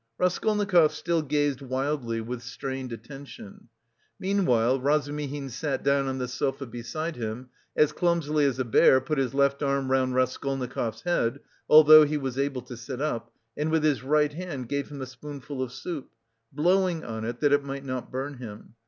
Raskolnikov still gazed wildly with strained attention. Meanwhile Razumihin sat down on the sofa beside him, as clumsily as a bear put his left arm round Raskolnikov's head, although he was able to sit up, and with his right hand gave him a spoonful of soup, blowing on it that it might not burn him.